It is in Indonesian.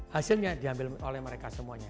hasilnya diambil oleh mereka semuanya